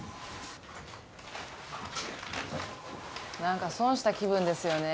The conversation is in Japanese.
なんか損した気分ですよね。